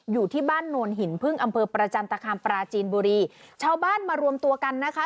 อยู่ที่บ้านโนนหินพึ่งอำเภอประจันตคามปราจีนบุรีชาวบ้านมารวมตัวกันนะคะ